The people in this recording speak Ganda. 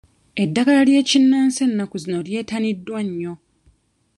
Eddagala ly'ekinnansi ennaku zino lyettaniddwa nnyo.